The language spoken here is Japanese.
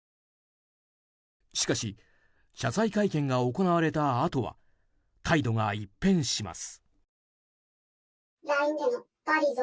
しかし謝罪会見が行われたあとは態度が一変します。